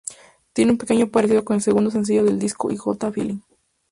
Tiene un pequeño parecido con el segundo sencillo del disco I Gotta Feeling.